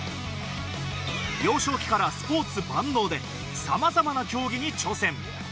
幼少期からスポーツ万能で、さまざまな競技に挑戦。